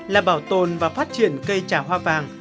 là bảo tồn và phát triển cây trà hoa vàng